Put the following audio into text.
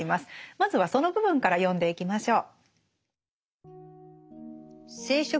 まずはその部分から読んでいきましょう。